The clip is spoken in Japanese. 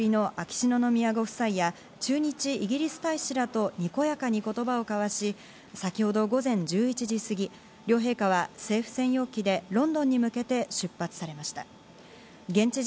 羽田空港で見送りの秋篠宮ご夫妻や駐日イギリス大使らと、にこやかに言葉を交わし、先ほど午前１１時すぎ、両陛下は政府専用機でロンドンに向けて出発されました。